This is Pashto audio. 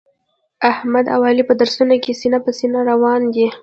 احمد او علي په درسونو کې سینه په سینه روان دي.